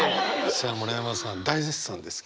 さあ村山さん大絶賛ですけど。